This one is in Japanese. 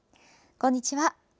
こんにちは。